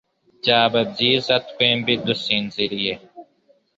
Byaba byiza twembi dusinziriye